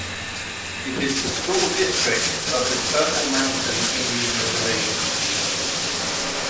It is the school district of the Turtle Mountain Indian Reservation.